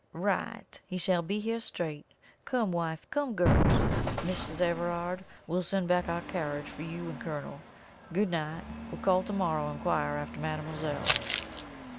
"Right! He shall be here straight. Come, wife come, girls! Mrs. Everard, we'll send back our carriage for you and the Colonel. Good night! We'll call to morrow and inquire after mademoiselle."